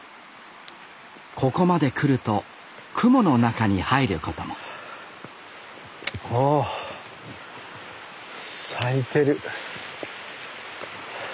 ここまで来ると雲の中に入ることもおお咲いてる。